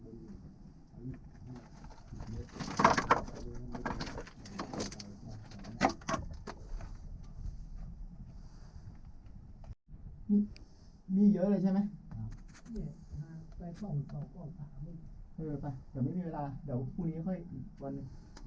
มีเยอะเลยใช่ไหมเออไปเดี๋ยวไม่มีเวลาเดี๋ยวพรุ่งนี้ค่อยอีกวันหนึ่ง